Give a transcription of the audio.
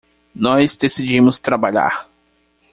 Nós decidimos trabalhar